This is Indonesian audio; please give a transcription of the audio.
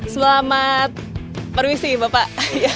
selamat permisi bapak